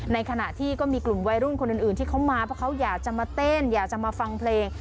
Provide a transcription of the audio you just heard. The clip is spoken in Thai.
ในขณะที่ก็มีกลุ่มวัยรุ่นคนอื่นที่เขามาเพราะเขาอยากจะมาเต้นอยากจะมาฟังเพลง